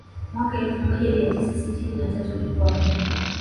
Mwaka elfu moja mia tisa sitini na tatu alikuwa meja